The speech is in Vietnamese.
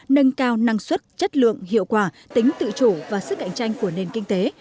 nâng cao năng suất chất lượng hiệu quả tính tự chủ và sức cạnh tranh của nền kinh tế